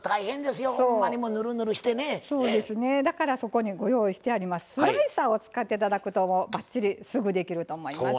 だからそこにご用意してありますスライサーを使っていただくとばっちりすぐできると思います。